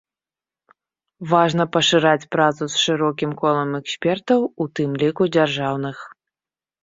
Важна пашыраць працу з шырокім колам экспертаў, у тым ліку дзяржаўных.